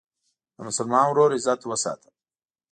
د مسلمان ورور عزت وساته.